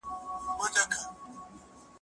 تا ولي نارينه پر موږ غالب کړي دي؟